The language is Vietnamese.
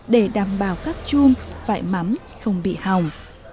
để đảm bảo các chum vải mắm không bị hỏng